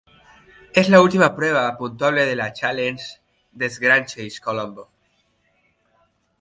Es la última prueba puntuable de la Challenge Desgrange-Colombo.